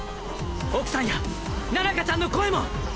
奥さんや菜々香ちゃんの声も！